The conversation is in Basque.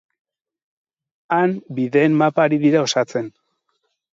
Han bideen mapa ari dira osatzen.